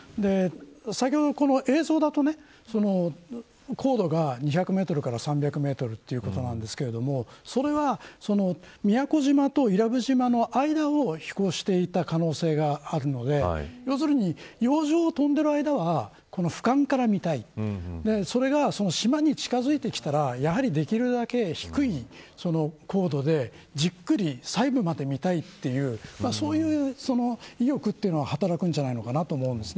先ほど、この映像だと高度が２００メートルから３００メートルということなんですがそれは、宮古島と伊良部島の間を飛行していた可能性があるので要するに、洋上を飛んでいる間は俯瞰から見たいそれが島に近づいてきたらやはり、できるだけ低い高度でじっくり細部まで見たいというそういう意欲というのは働くんじゃないのかなと思うんです。